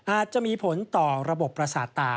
อาจจะมีผลต่อระบบประสาทตา